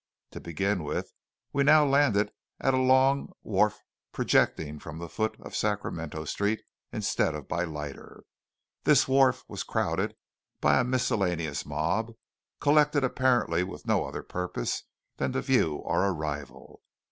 To begin with, we now landed at a long wharf projecting from the foot of Sacramento Street instead of by lighter. This wharf was crowded by a miscellaneous mob, collected apparently with no other purpose than to view our arrival.